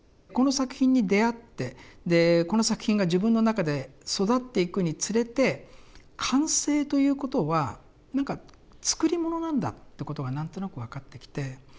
この作品に出会ってでこの作品が自分の中で育っていくにつれて完成ということは何か作り物なんだってことが何となく分かってきて。